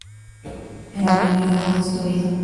El avión acabó destruido.